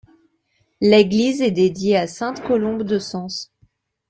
L'église est dédiée à sainte Colombe de Sens.